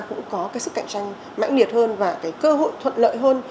cũng có cái sức cạnh tranh mạnh liệt hơn và cái cơ hội thuận lợi hơn